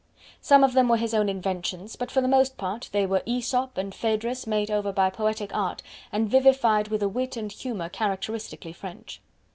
Some of them were his own inventions, but for the most part they were "Aesop" and Phaedrus, made over by poetic art and vivified with a wit and humor characteristically French.